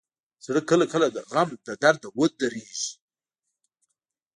زړه کله کله د غم له درده ودریږي.